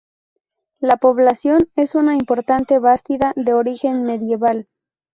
La población es una importante bastida de origen medieval.